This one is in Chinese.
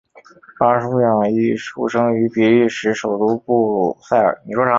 巴舒亚伊出生于比利时首都布鲁塞尔。